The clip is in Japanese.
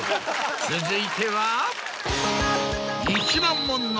続いては。